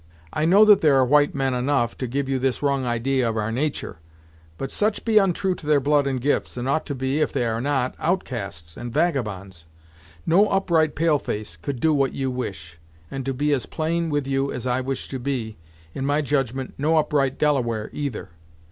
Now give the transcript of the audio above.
I know that there are white men enough to give you this wrong idee of our natur', but such be ontrue to their blood and gifts, and ought to be, if they are not, outcasts and vagabonds. No upright pale face could do what you wish, and to be as plain with you as I wish to be, in my judgment no upright Delaware either.